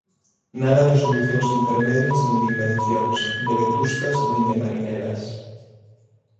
Nada de solucións intermedias nin de invencións, de Vetustas nin de Marinedas.